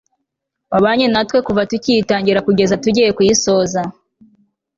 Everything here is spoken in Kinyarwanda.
wabanye na twe kuva tuyitangira kugeza tugiye kuyisoza